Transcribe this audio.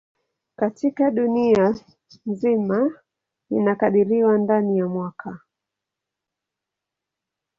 Katika dunia nzima inakadiriwa ndani ya mwaka